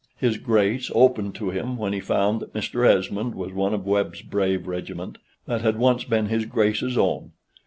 His Grace opened to him when he found that Mr. Esmond was one of Webb's brave regiment, that had once been his Grace's own.